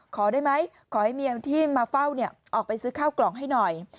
ขอได้ไหมขอให้เมียที่มาเฝ้าออกไปซื้อข้าวกล่องให้หน่อย